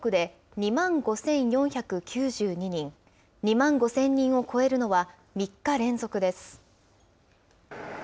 ２万５０００人を超えるのは、３日連続です。